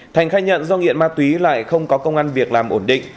thành khai nhận do nghiện ma túy lại không có công an việc làm ổn định